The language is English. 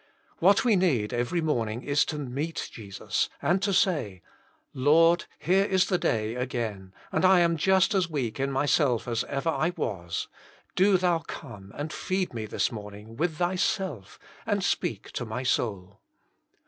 What we need every morning is to meet Jesus, and to say, Lord, here is the day again, and I am just as weak in myself as ever I was; 62 Je9U8 Himself, do Thou come and feed me this morn ing with Thyself and speak to my soul.